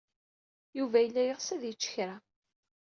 Yuba yella yeɣs ad yečč kra.